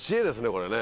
これね。